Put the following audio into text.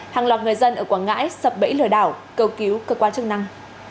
hàng loạt người dân ở quảng ngãi sập bẫy lừa đảo cầu cứu cơ quan chức năng